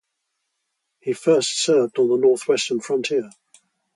He first served on the northwestern frontier.